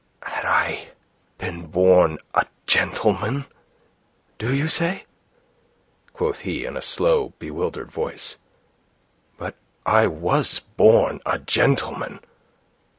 "Had I been born a gentleman, do you say?" quoth he, in a slow, bewildered voice. "But I was born a gentleman.